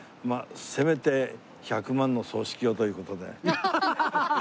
せめて１００万の葬式をという事で。